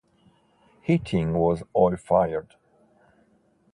Heating was oil fired.